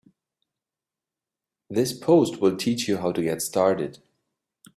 This post will teach you how to get started.